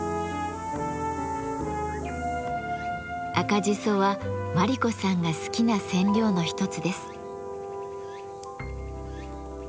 赤じそは真理子さんが好きな染料の一つです。